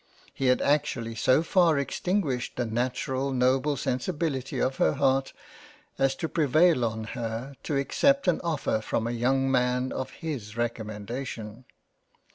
He had actually so far extinguished the natural noble Sensibility of her Heart, as to prevail on her to accept an offer from a young Man of his Recommendation.